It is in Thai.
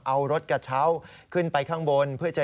เอารถกระเช้าขึ้นไปข้างบน